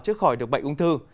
chưa khỏi được bệnh ung thư